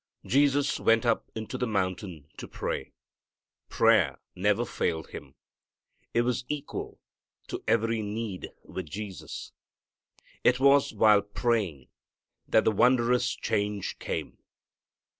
Jesus went up into the mountain "to pray." Prayer never failed Him. It was equal to every need with Jesus. It was while praying that the wondrous change came.